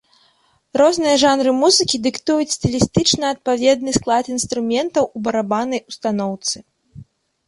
Розныя жанры музыкі дыктуюць стылістычна адпаведны склад інструментаў у барабаннай устаноўцы.